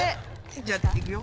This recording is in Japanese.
じゃあいくよ。